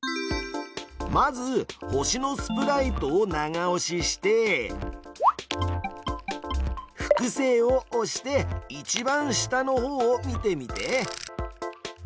まず星のスプライトを長押しして「複製」を押して一番下の方を見てみて。